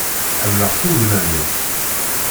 Ḥemmleɣ tugna-nnek.